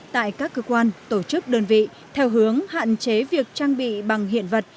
tại các cơ quan tổ chức đơn vị theo hướng hạn chế việc trang bị bằng hiện vật